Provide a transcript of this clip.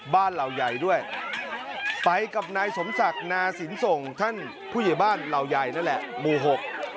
เหล่าใหญ่ด้วยไปกับนายสมศักดิ์นาสินส่งท่านผู้ใหญ่บ้านเหล่าใหญ่นั่นแหละหมู่หก